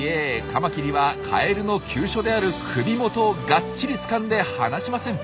カマキリはカエルの急所である首元をがっちりつかんで離しません。